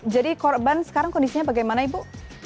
jadi korban sekarang kondisinya bagaimana ibu